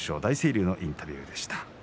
龍のインタビューでした。